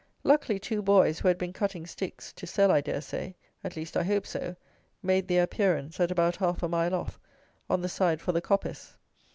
Luckily two boys, who had been cutting sticks (to sell, I dare say, at least I hope so), made their appearance, at about half a mile off, on the side for the coppice.